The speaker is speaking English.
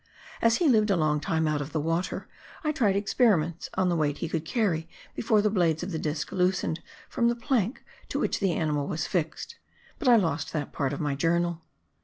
As he lived a long time out of the water, I tried experiments on the weight he could carry before the blades of the disk loosened from the plank to which the animal was fixed; but I lost that part of my journal.